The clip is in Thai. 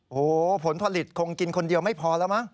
โอ้โหผลผลิตคงกินคนเดียวไม่พอแล้วมั้ง